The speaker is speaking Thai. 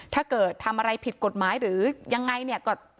ถ้าเกิดทำอะไรผิดกฎหมายหรือยังไงเนี่ย